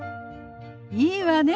いいわね。